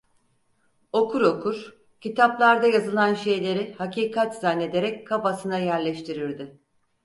Okur okur, kitaplarda yazılan şeyleri hakikat zannederek kafasına yerleştirirdi.